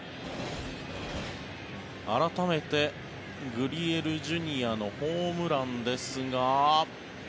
改めてグリエルＪｒ．のホームランですが。